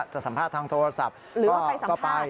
สัมภาษณ์ทางโทรศัพท์ก็ไป